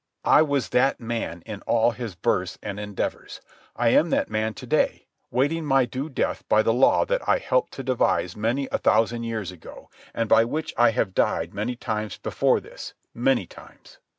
I was that man in all his births and endeavours. I am that man to day, waiting my due death by the law that I helped to devise many a thousand years ago, and by which I have died many times before this, many times.